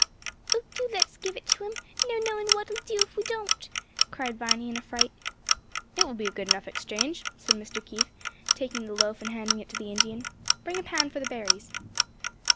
"Oh do let's give it to 'im! no knowin' what 'e'll do if we don't!" cried Viny in a fright. "It will be a good enough exchange," said Mr. Keith, taking the loaf and handing it to the Indian. "Bring a pan for the berries."